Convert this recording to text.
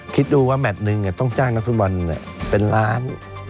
คิดดูว่าแมทหนึ่งต้องจ้างนักฟุตบอลเป็นล้าน